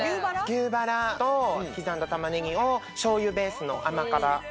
牛バラと刻んだ玉ねぎをしょうゆベースの甘辛。